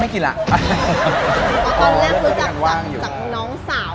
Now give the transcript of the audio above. เพราะตอนแรกรู้จักจากน้องสาว